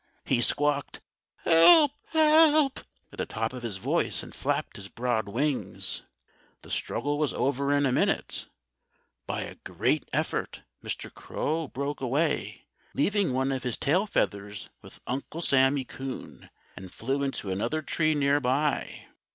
He squawked, "Help! help!" at the top of his voice and flapped his broad wings. The struggle was over in a moment. By a great effort Mr. Crow broke away, leaving one of his tail feathers with Uncle Sammy Coon, and flew into another tree near by.